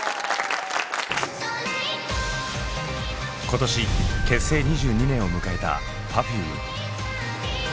今年結成２２年を迎えたＰｅｒｆｕｍｅ。